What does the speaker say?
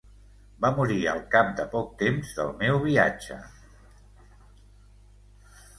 Va morir al cap de poc temps del meu viatge.